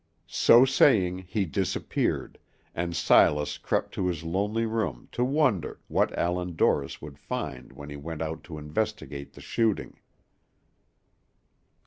So saying he disappeared, and Silas crept to his lonely room to wonder what Allan Dorris would find when he went out to investigate the shooting.